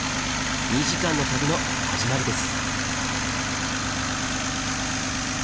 ２時間の旅の始まりです。